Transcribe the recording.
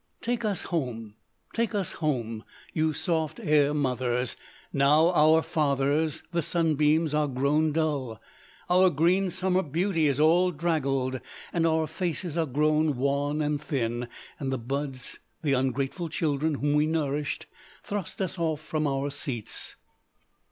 "'Take us home, take us home, you soft air mothers, now our fathers, the sunbeams, are grown dull. Our green summer beauty is all draggled, and our faces are grown wan and thin; and the buds, the ungrateful children whom we nourished, thrust us off from our seats.